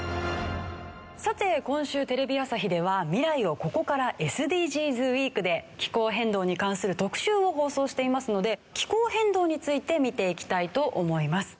さて今週テレビ朝日では未来をここからＳＤＧｓＷＥＥＫで気候変動に関する特集を放送していますので気候変動について見ていきたいと思います。